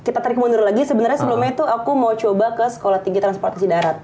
kita tarik mundur lagi sebenarnya sebelumnya itu aku mau coba ke sekolah tinggi transportasi darat